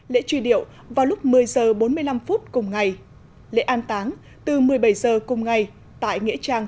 lễ truy điệu vào lúc một mươi h bốn mươi năm phút cùng ngày lễ an táng từ một mươi bảy h cùng ngày tại nghĩa trang